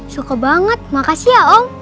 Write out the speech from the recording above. suka banget makasih ya om